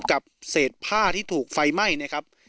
กับเศษผ้าที่ถูกไฟไหม้นะครับ